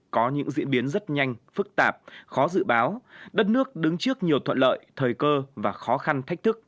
có những diễn biến rất nhanh phức tạp khó dự báo đất nước đứng trước nhiều thuận lợi thời cơ và khó khăn thách thức